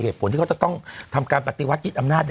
เหตุผลที่เขาจะต้องทำการปฏิวัติยึดอำนาจ